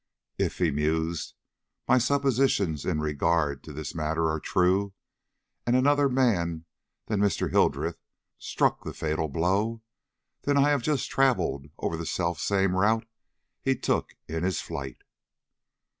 "If," he mused, "my suppositions in regard to this matter are true, and another man than Mr. Hildreth struck the fatal blow, then I have just travelled over the self same route he took in his flight."